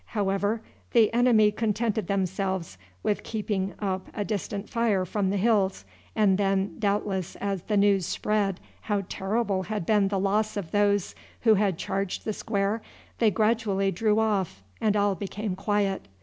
However, the enemy contented themselves with keeping up a distant fire from the hills, and then, doubtless as the news spread how terrible had been the loss of those who had charged the square, they gradually drew off and all became quiet.